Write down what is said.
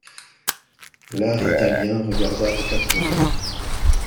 L'art italien regarda aux quatre vents.